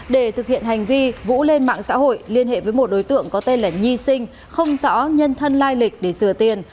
để thực hiện hành vi vũ lên mạng xã hội liên hệ với một đối tượng có tên là nhi sinh không rõ nhân thân lai lịch để sửa tiền